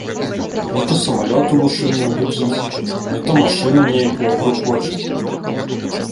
Не то самалёт у вышыні гудзіць, не то машына нейкая грукоча.